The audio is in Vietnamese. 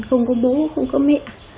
không có bố không có mẹ